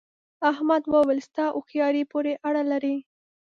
احمد وويل: ستا هوښیارۍ پورې اړه لري.